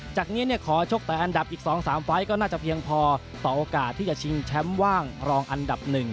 จากนี้ขอชก๘อันดับอีก๒๓ไฟล์ก็น่าจะเพียงพอต่อโอกาสที่จะชิงแชมป์ว่างรองอันดับ๑